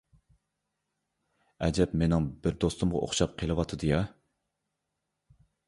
ئەجەب مېنىڭ بىر دوستۇمغا ئوخشاپ قېلىۋاتىدۇ يا.